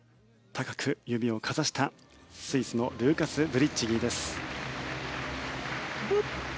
高く指をかざした、スイスのルーカス・ブリッチギーです。